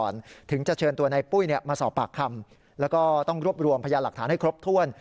ส่วนนายปุ้ยมาสอบปากคำแล้วก็ต้องรวบรวมพยาหลักฐานให้ครบถ้วน